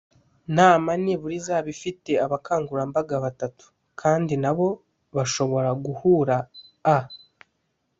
nama nibura izaba ifite abakangurambaga batatu, kandi nabo bashobora guhugura a